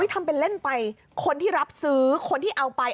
ทำเป็นเล่นไปคนที่รับซื้อคนที่เอาไป